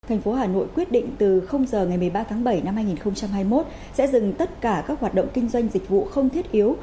thành phố hà nội quyết định từ giờ ngày một mươi ba tháng bảy năm hai nghìn hai mươi một sẽ dừng tất cả các hoạt động kinh doanh dịch vụ không thiết yếu